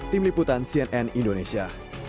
tim liputan cnn indonesia